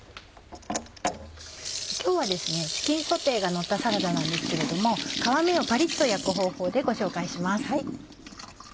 今日はチキンソテーがのったサラダなんですけれども皮目をパリっと焼く方法でご紹介します。